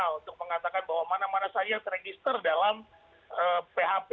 untuk mengatakan bahwa mana mana saja yang teregister dalam php